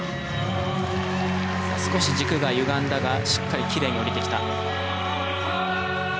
少し軸がゆがんだがしっかりキレイに降りてきた。